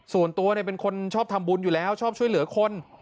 ส่วนตัวเป็นคนชอบทำบุญอยู่แล้วชอบช่วยเหลือคน